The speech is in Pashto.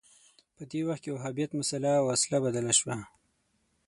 په دې وخت کې وهابیت مسأله وسله بدله شوه